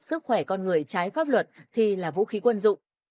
sức khỏe con người trái pháp luật thì là vũ khí quân dụng